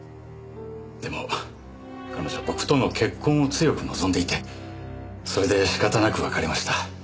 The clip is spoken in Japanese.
でも彼女僕との結婚を強く望んでいてそれで仕方なく別れました。